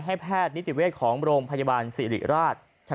ให้แพทย์นิติเวทของโรงพยาบาลศิริราชธรรมนาสุทธิ์